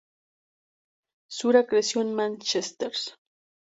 Shura creció en Manchester.